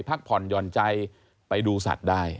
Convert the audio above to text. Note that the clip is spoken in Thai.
พักผ่อนหย่อนใจไปดูสัตว์ได้